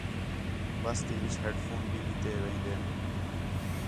بس تی وِچ ہِیڈ فون بھی ݙِتّے وین٘دے ہین